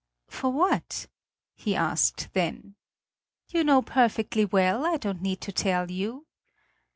"For what?" he asked then. "You know perfectly well; I don't need to tell you."